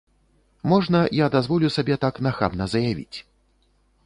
Можна, я дазволю сабе так нахабна заявіць?